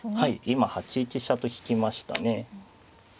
今８一飛車と引きましたね。